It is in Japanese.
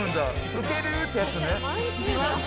ウケる！ってやつね。